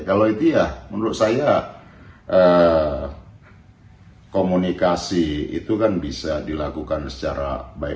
kalau itu ya menurut saya komunikasi itu kan bisa dilakukan secara baik